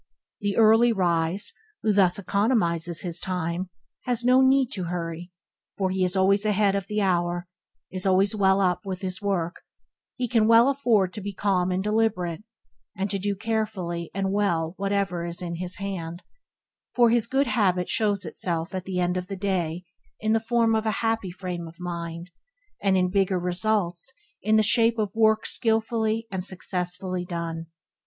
The early rise, who thus economies his time, has no need to hurry, for he is always ahead of the hour, is always well up with his work; he can well afford to be calm and deliberate, and to do carefully and well whatever is in hand, for his good habit shows itself at the end of the day in the form of a happy frame of mind, and in bigger results in the shape of work skillfully and successfully done.